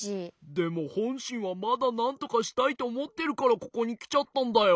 でもほんしんはまだなんとかしたいとおもってるからここにきちゃったんだよ。